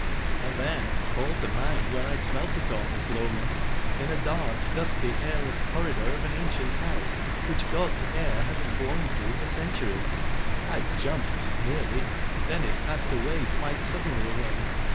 "And then?" "Call to mind where I smelt it all, Miss Loment. In a dark, dusty, airless corridor of an ancient house, which god's air hasn't blown through for centuries...I jumped nearly. Then it passed away quite suddenly again.